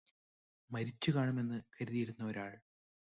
മരിച്ചുകാണുമെന്ന് കരുതിയിരുന്ന ഒരാള്